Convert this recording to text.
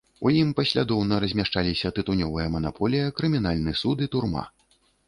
У ім паслядоўна размяшчаліся тытунёвая манаполія, крымінальны суд і турма.